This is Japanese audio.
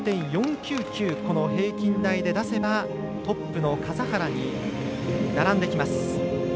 この平均台で出せばトップの笠原に並んできます。